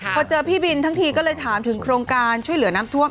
พอเจอพี่บินทั้งทีก็เลยถามถึงโครงการช่วยเหลือน้ำท่วม